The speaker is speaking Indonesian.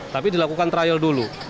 tapi dilakukan trial dulu